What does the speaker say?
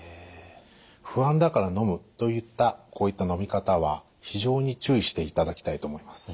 「不安だからのむ」といったこういったのみ方は非常に注意していただきたいと思います。